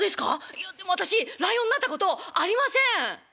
いやでも私ライオンになったことありません」。